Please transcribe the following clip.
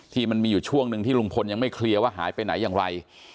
มันมีอยู่ช่วงหนึ่งที่ลุงพลยังไม่เคลียร์ว่าหายไปไหนอย่างไร